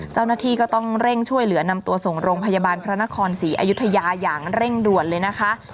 เจ้าหน้าที่ก็ต้องเร่งช่วยเหลือนำตัวส่งโรงพยาบาลพระนครศรีอยุธยาอย่างเร่งด่วนเลยนะคะ